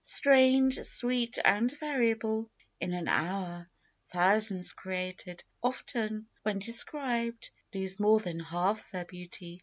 Strange, sweet, and variable, — in an hour Thousands created, often, when described Lose more than half their beauty.